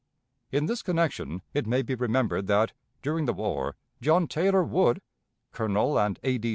In this connection it may be remembered that, during the war, John Taylor Wood, Colonel and A.